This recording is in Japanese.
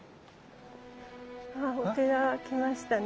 あお寺来ましたね。